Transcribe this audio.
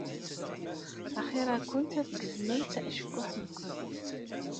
Axiṛ-akent ad tgezmemt acekkuḥ-nkent.